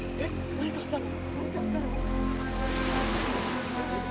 何かあったの？